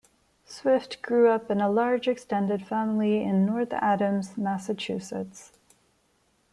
Swift grew up in a large extended family in North Adams, Massachusetts.